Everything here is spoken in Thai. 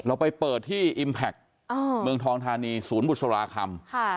ไปเปิดที่อิมแพคเมืองทองธานีศูนย์บุษราคำ